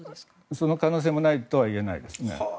その可能性もないとは言えないです。